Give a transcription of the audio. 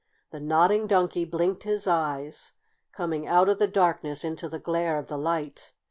The Nodding Donkey blinked his eyes, coming out of the darkness into the glare of the light.